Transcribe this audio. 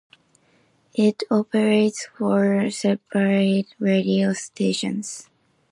It operates four separate radio stations.